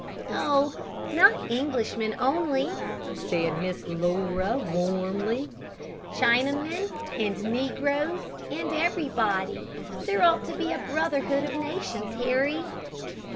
"Oh, not Englishmen only," said Miss Laura, warmly; "Chinamen, and Negroes, and everybody. There ought to be a brotherhood of nations, Harry."